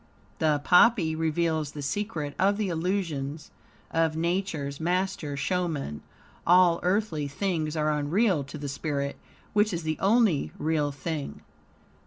The poppy reveals the secret of the illusions of Nature's master showman. All earthly things are unreal to the spirit, which is the only real thing.